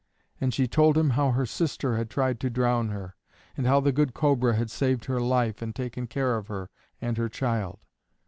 And she told him how her sister had tried to drown her, and how the good Cobra had saved her life and taken care of her and her child.